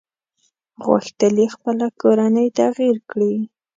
غوښتل يې خپله کورنۍ تغيير کړي.